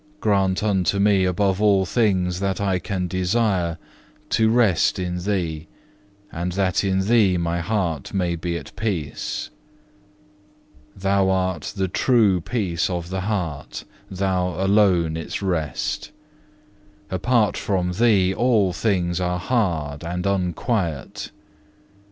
Grant unto me, above all things that I can desire, to rest in Thee, and that in Thee my heart may be at peace. Thou art the true peace of the heart, Thou alone its rest; apart from Thee all things are hard and unquiet.